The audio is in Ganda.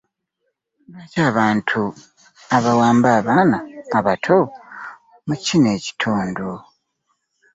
Lwaki abantu bawamba abaana abato mu kino ekitundu?